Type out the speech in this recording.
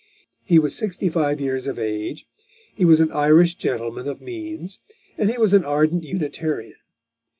He was sixty five years of age; he was an Irish gentleman of means, and he was an ardent Unitarian.